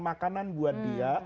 makanan buat dia